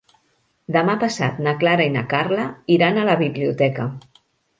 Demà passat na Clara i na Carla iran a la biblioteca.